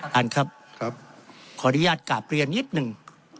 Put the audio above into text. ท่านครับขออนุญาตกราบเรียนนิดหนึ่ง